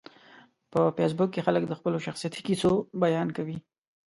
په فېسبوک کې خلک د خپلو شخصیتي کیسو بیان کوي